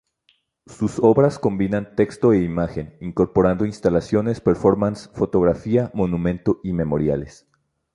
Sus obras combinan texto e imagen, incorporando instalaciones, performances, fotografía, monumento y memoriales.